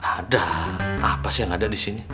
ada apa sih yang ada disini